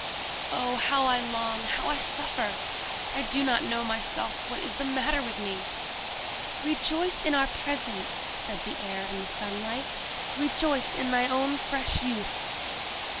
Oh, how I long, how I suffer! I do not know myself what is the matter with me!" "Rejoice in our presence!" said the Air and the Sunlight; "rejoice in thy own fresh youth!"